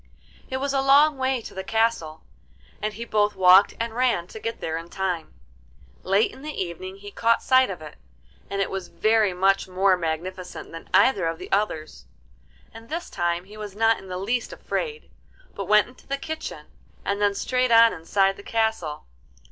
It was a long way to the castle, and he both walked and ran to get there in time. Late in the evening he caught sight of it, and it was very much more magnificent than either of the others. And this time he was not in the least afraid, but went into the kitchen, and then straight on inside the castle.